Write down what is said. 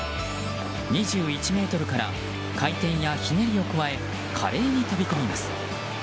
２１ｍから回転やひねりを加え華麗に飛び込みます。